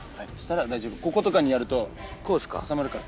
こことかにやると挟まるから。